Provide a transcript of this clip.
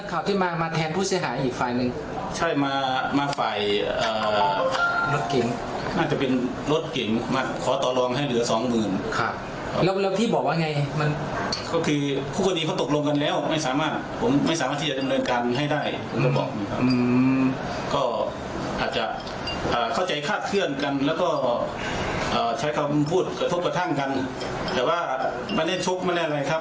ใช้คำพูดกระทบกระทั่งกันแต่ว่าไม่ได้ทุกข์ไม่ได้อะไรครับ